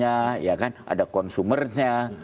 ya kan ada konsumernya